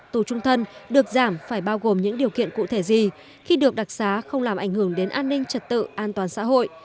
tù trung thân được giảm phải bao gồm những điều kiện cụ thể gì khi được đặc xá không làm ảnh hưởng đến an ninh trật tự an toàn xã hội